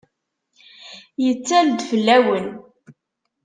Yettal-d fell-awen!